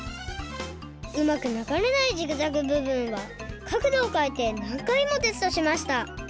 うまく流れないジグザグ部分はかくどをかえてなんかいもテストしました